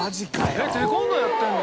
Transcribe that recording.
「えっテコンドーやってるの？」